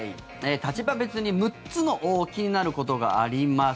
立場別に６つの気になることがあります。